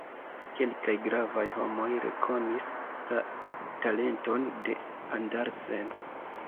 Kelkaj gravaj homoj rekonis la talenton de Andersen.